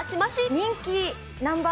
人気ナンバー